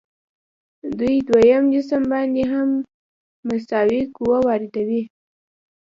دوی دویم جسم باندې هم مساوي قوه واردوي.